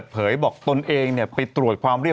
ดื่มน้ำก่อนสักนิดใช่ไหมคะคุณพี่